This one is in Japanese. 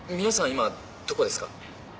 今どこですか？